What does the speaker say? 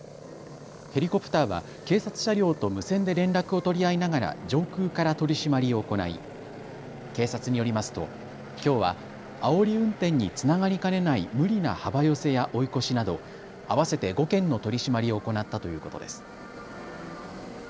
ヘリコプターは警察車両と無線で連絡を取り合いながら上空から取締りを行い警察によりますときょうはあおり運転につながりかねない無理な幅寄せや追い越しなど合わせて５件の取締りを行ったということです。